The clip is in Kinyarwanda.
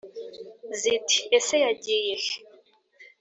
Ziti ese yagiye he?